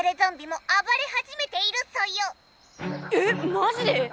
マジで？